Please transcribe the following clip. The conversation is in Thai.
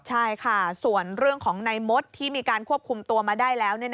ใช่ค่ะส่วนเรื่องของในมดที่มีการควบคุมตัวมาได้แล้ว